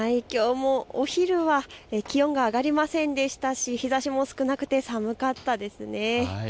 きょうも、お昼は気温が上がりませんでしたし日ざしも少なくて寒かったですね。